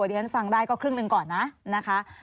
เพราะฉะนั้นฟังได้ก็ครึ่งหนึ่งก่อนนะนะคะ